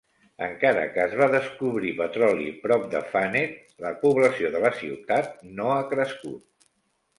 Encara que es va descobrir petroli prop de Fannett, la població de la ciutat no ha crescut.